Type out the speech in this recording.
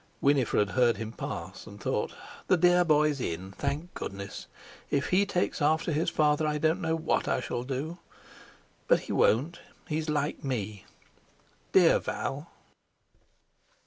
Winifred heard him pass, and thought: "The dear boy's in. Thank goodness! If he takes after his father I don't know what I shall do! But he won't he's like me. Dear Val!"